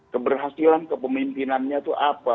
keberhasilan kepemimpinannya itu apa